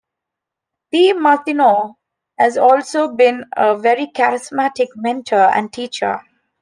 De Martino has also been a very charismatic mentor and teacher.